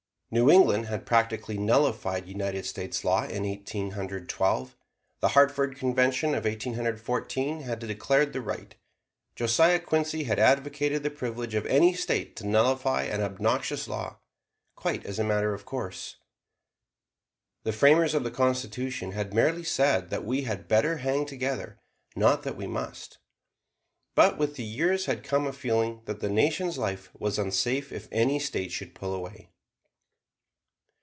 New England had practically nullified United States law in Eighteen Hundred Twelve, the Hartford Convention of Eighteen Hundred Fourteen had declared the right; Josiah Quincy had advocated the privilege of any State to nullify an obnoxious law, quite as a matter of course. The framers of the Constitution had merely said that we "had better" hang together, not that we "must." But with the years had come a feeling that the Nation's life was unsafe if any State should pull away.